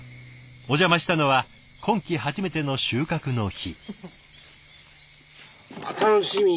お邪魔したのは今季初めての収穫の日。